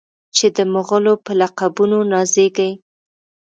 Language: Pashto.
چې د مغلو په لقبونو نازیږي.